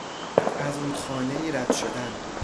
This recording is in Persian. از رودخانهای رد شدن